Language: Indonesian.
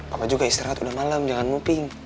papa juga istirahat udah malem jangan moving